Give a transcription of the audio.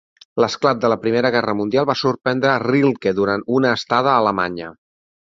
L'esclat de la Primera Guerra mundial va sorprendre Rilke durant una estada a Alemanya.